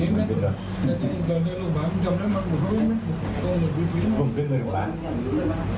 คุยกับตำรวจเนี่ยคุยกับตำรวจเนี่ย